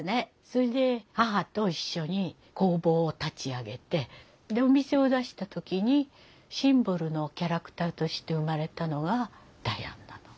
それで母と一緒に工房を立ち上げてでお店を出した時にシンボルのキャラクターとして生まれたのがダヤンなの。